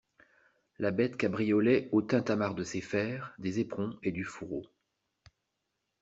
La bête cabriolait au tintamarre de ses fers, des éperons et du fourreau.